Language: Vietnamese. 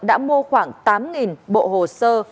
đã mua khoảng tám bộ hồ sơ